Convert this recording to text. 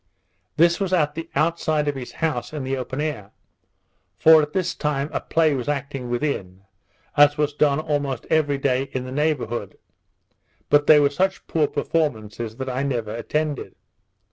This was at the outside of his house, in the open air; for at this time a play was acting within, as was done almost every day in the neighbourhood; but they were such poor performances that I never attended.